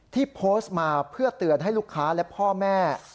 ที่โพสต์มาเพื่อเตือนให้ลูกค้าและพ่อแม่